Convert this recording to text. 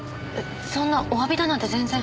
そんなおわびだなんて全然。